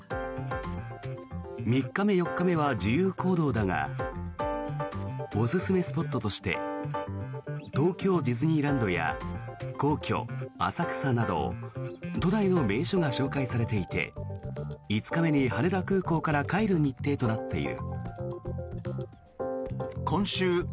３日目、４日目は自由行動だがおすすめスポットとして東京ディズニーランドや皇居、浅草など都内の名所が紹介されていて５日目に羽田空港から帰る日程となっている。